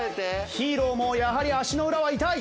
ヒーローもやはり足の裏は痛い。